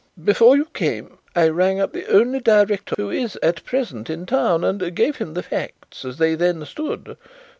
"Before you came I rang up the only director who is at present in town and gave him the facts as they then stood.